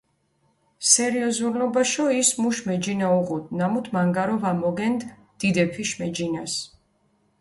სერიოზულობაშო ის მუშ მეჯინა უღუდჷ, ნამუთ მანგარო ვამოგენდჷ დიდეფიშ მეჯინას.